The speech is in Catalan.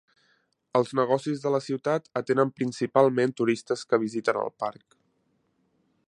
Els negocis de la ciutat atenen principalment turistes que visiten el parc.